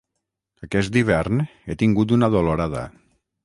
Aquest hivern he tingut una dolorada.